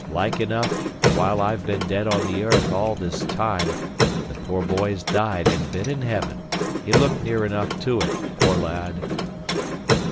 "Like enough while I've been dead on the earth, all this time, the poor boy's died and been in heaven. He looked near enough to it, poor lad!"